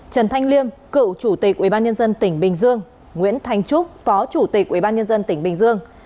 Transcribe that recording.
trần thanh liêm cựu chủ tịch ubnd tỉnh bình dương nguyễn thanh trúc phó chủ tịch ubnd tỉnh bình dương